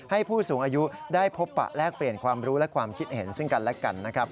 ผู้สูงอายุได้พบปะแลกเปลี่ยนความรู้และความคิดเห็นซึ่งกันและกันนะครับ